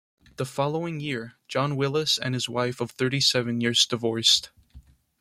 The following year, John Willys and his wife of thirty-seven years divorced.